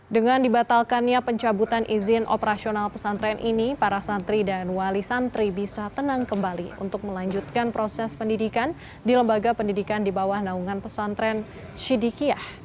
dengan dibatalkannya pencabutan izin operasional pesantren ini para santri dan wali santri bisa tenang kembali untuk melanjutkan proses pendidikan di lembaga pendidikan di bawah naungan pesantren syidikiah